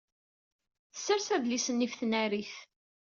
Tessers adlis-nni ɣef tnarit.